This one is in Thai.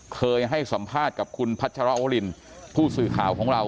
เคยให้สัมภาษณ์กับคุณพัชรวรินผู้สื่อข่าวของเรา